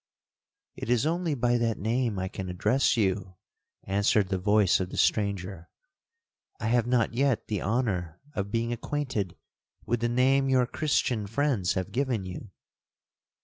'—'It is only by that name I can address you,' answered the voice of the stranger—'I have not yet the honour of being acquainted with the name your Christian friends have given you.'